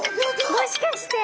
もしかして。